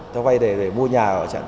cho vay để mua nhà ở chẳng